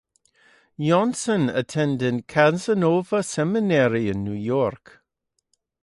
Johnson attended Cazenovia Seminary in New York.